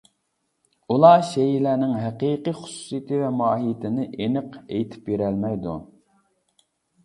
ئۇلار شەيئىلەرنىڭ ھەقىقىي خۇسۇسىيىتى ۋە ماھىيىتىنى ئېنىق ئېيتىپ بېرەلمەيدۇ.